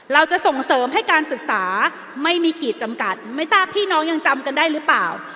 เราจะส่งเสริมให้การศึกษาไม่มีขีดจำกัดไม่ทราบพี่น้องยังจำกันได้หรือเปล่า